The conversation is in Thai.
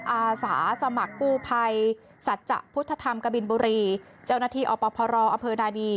อาสาสมกุภัยสัจจะพุทธธรรมกบินบุรีเจ้าหน้าทีอพอนาดี